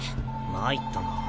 参ったな。